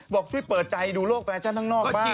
บอกช่วยเปิดใจดูโลกแฟชั่นข้างนอกบ้าง